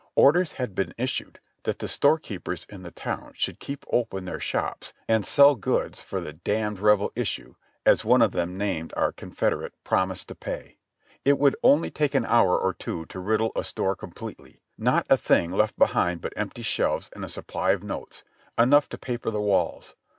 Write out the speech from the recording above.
Orders had been issued that the store keepers in the town should keep open their shops and sell goods for the "d Rebel issue," as one of them named our Confederate "Promise to pay." It would only take an hour or two to riddle a store completely; not a thing left behind but empty shelves and a supply of notes, enough to paper the walls.